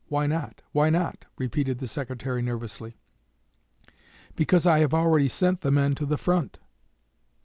"Why not? Why not?" repeated the Secretary nervously. "Because I have already sent the men to the front."